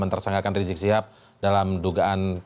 menteresankan rizik siap dalam dugaan